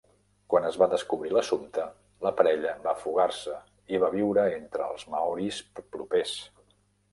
Quan es va descobrir l'assumpte, la parella va fugar-se i va viure entre els maoris propers.